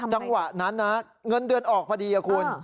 จังหวะนั้นนะเงินเดือนออกพอดีคุณ